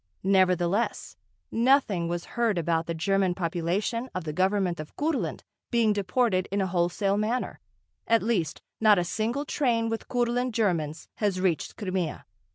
Nevertheless, nothing was heard about the German population of the Government of Kurland being deported in a wholesale manner, at least, not a single train with Kurland Germans has reached Crimea.